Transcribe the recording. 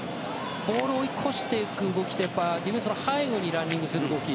ボールを追い越していく動きとディフェンスの背後にランニングする動き。